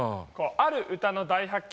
ある歌の大発見？